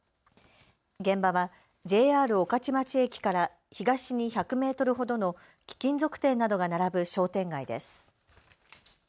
現場はＪＲ御徒町駅から東に１００メートルほどの貴金属店などが並ぶ商店街です。